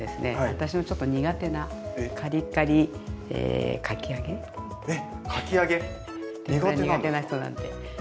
私のちょっと苦手なカリカリえっかき揚げ苦手なんですか？